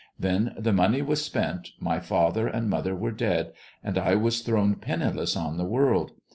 Then the money was spent, my father and mother were dead, and I was thrown penniless on the world.